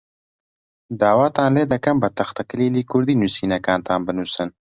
داواتان لێ دەکەم بە تەختەکلیلی کوردی نووسینەکانتان بنووسن.